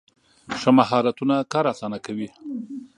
ښه مهارتونه کار اسانه کوي.